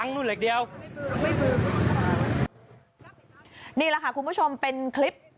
นี่แหละค่ะคุณผู้ชมเป็นคลิป